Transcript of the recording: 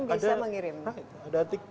apapun bisa mengirim